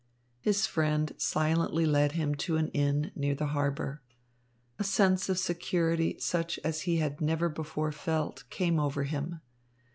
His friend silently led him to an inn near the harbour. A sense of security such as he had never before felt came over him.